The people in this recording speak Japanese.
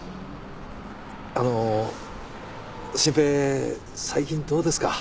あのう真平最近どうですか？